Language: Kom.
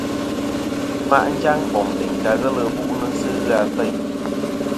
Yi ma' njaŋ bom teyn ta ghelɨ bu'nɨ sɨ ghɨ a feyn.